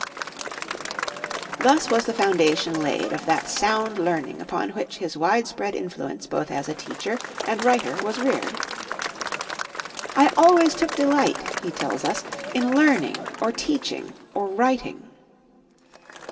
Thus was the foundation laid of that sound learning upon which his widespread influence both as a teacher and writer was reared. "I always took delight," he tells us, "in learning, or teaching, or writing."